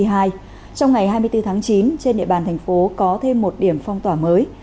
trong ngày hai mươi bốn tháng chín trên địa bàn thành phố có thêm một điểm phong tỏa mới